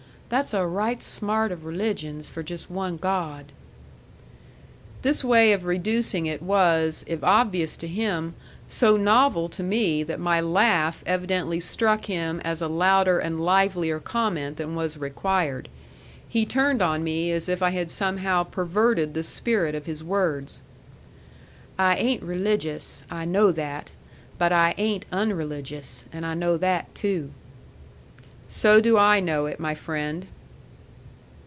"That's a right smart of religions for just one God." This way of reducing it was, if obvious to him, so novel to me that my laugh evidently struck him as a louder and livelier comment than was required. He turned on me as if I had somehow perverted the spirit of his words. "I ain't religious. I know that. But I ain't unreligious. And I know that too." "So do I know it, my friend."